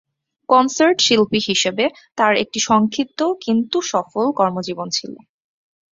Concert শিল্পী হিসেবে তার একটি সংক্ষিপ্ত, কিন্তু সফল কর্মজীবন ছিল।